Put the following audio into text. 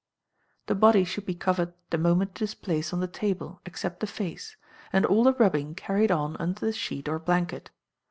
The body should be covered the moment it is placed on the table, except the face, and all the rubbing carried on under the sheet or blanket.